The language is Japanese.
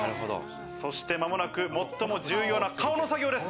そして間もなく最も重要な顔の作業です。